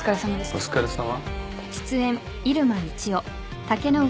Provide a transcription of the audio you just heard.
お疲れさま。